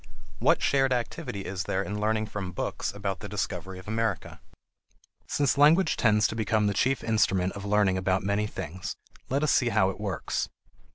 What shared activity is there in learning from books about the discovery of America? Since language tends to become the chief instrument of learning about many things, let us see how it works.